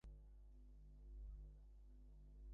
আহ, শ্বেতাঙ্গ পুরুষ।